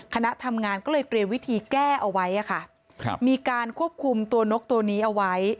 คณะทำงานก็เลยเตรียมวิธีแก้เอาไว้มีการควบคุมตัวนกตัวนี้เอาไว้